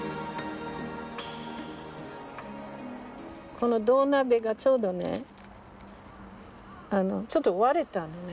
この土鍋がちょうどねちょっと割れたのね。